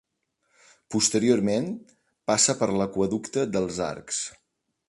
Posteriorment passa per l'aqüeducte dels Arcs.